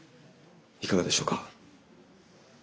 いかがでしょうか？